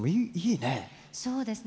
そうですね。